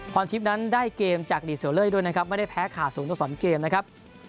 พรทิพย์นั้นได้เกมจากดีเซลเล่ด้วยนะครับไม่ได้แพ้ขาด๐ต่อ๒เกมนะครับ